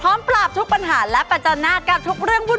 พร้อมปรับทุกปัญหาและปัจจนาการทุกเรื่องวุ่น